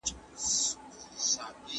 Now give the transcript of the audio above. زموږ ټولنه له کتاب لوستلو کرکه کړې ده.